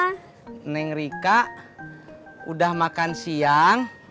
neneng rika udah makan siang